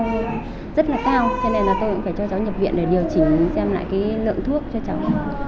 hơi rất là cao cho nên là tôi cũng phải cho cháu nhập viện để điều chỉnh xem lại cái lượng thuốc cho cháu